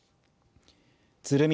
鶴見